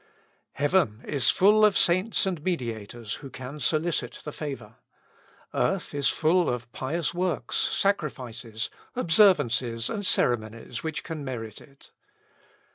Heaven is full of saints and mediators who can solicit the favour. Earth is full of pious works, sacrifices, observances, and ceremonies, which can merit it.